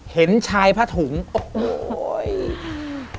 เห็นชายผ้าถุงโอ้โห